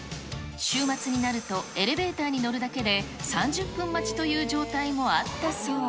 週末になると、エレベーターに乗るだけで、３０分待ちという状態もあったそう。